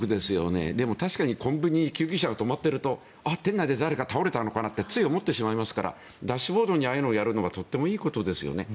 でも、確かにコンビニに救急車が止まっていると店内で誰かが倒れたのかなってつい思ってしまいますからダッシュボードにああいうのをやるのはとってもいいことですよね。